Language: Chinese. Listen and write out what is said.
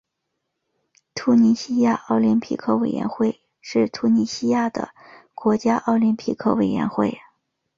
突尼西亚奥林匹克委员会是突尼西亚的国家奥林匹克委员会。